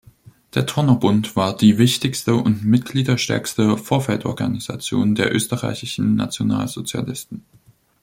Der Turnerbund war die wichtigste und mitgliederstärkste Vorfeldorganisation der österreichischen Nationalsozialisten.